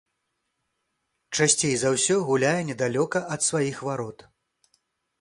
Часцей за ўсё гуляе недалёка ад сваіх варот.